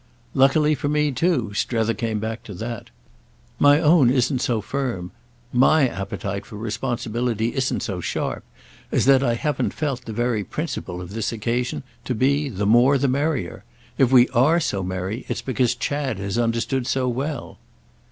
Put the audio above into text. "Luckily for me too"—Strether came back to that. "My own isn't so firm, my appetite for responsibility isn't so sharp, as that I haven't felt the very principle of this occasion to be 'the more the merrier.' If we are so merry it's because Chad has understood so well."